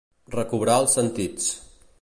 Recobrar els sentits.